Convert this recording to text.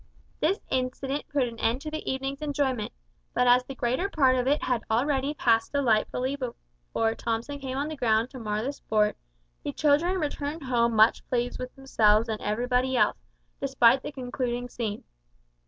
This incident put an end to the evening's enjoyment but as the greater part of it had already passed delightfully before Thomson came on the ground to mar the sport, the children returned home much pleased with themselves and everybody else, despite the concluding scene.